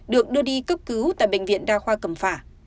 được đưa đi cấp cứu tại bệnh viện đa khoa cẩm phả